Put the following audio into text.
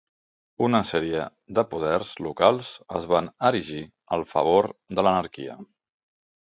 Una sèrie de poders locals es van erigir al favor de l'anarquia.